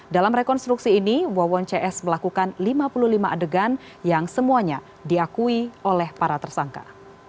dalam rekonstruksi ini wawon cs melakukan lima puluh lima adegan yang semuanya diakui oleh para tersangka